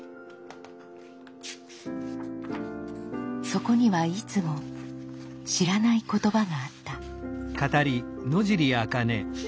そこにはいつも知らない言葉があった。